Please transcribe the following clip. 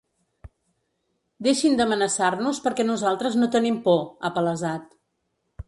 Deixin d’amenaçar-nos perquè nosaltres no tenim por, ha palesat.